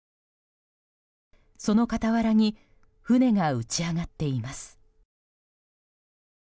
その傍らに船が打ち揚がっています。